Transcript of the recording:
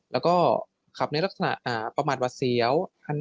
แล้วก็ขับในลักษณะประมาทหวัดเสียว